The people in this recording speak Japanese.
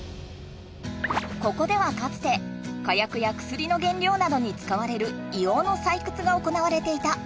ここではかつて火やくやくすりの原りょうなどに使われる硫黄のさいくつが行われていた。